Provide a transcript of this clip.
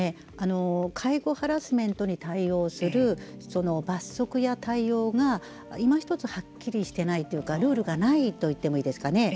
介護ハラスメントに対応する罰則や対応がいまひとつはっきりしてないというかルールがないといってもいいですかね。